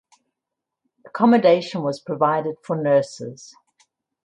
Accommodation was provided for nurses.